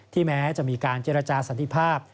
แม้จะมีการเจรจาสันติภาพ